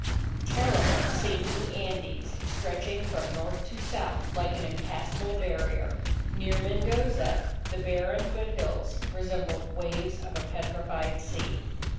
Terrible seemed the Andes stretching from North to South like an impassable barrier. Near Mendoza, the barren foothills resembled waves of a petrified sea.